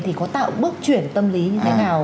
thì có tạo bước chuyển tâm lý như thế nào